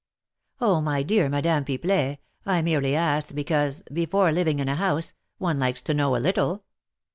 "Oh, my dear Madame Pipelet, I merely asked because, before living in a house, one likes to know a little."